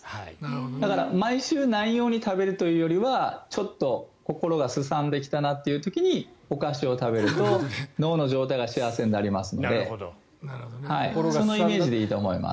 だから毎週何曜日に食べるというよりはちょっと心がすさんできたなという時にお菓子を食べると脳の状態が幸せになりますのでそのイメージでいいと思います。